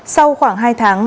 sau khoảng hai tháng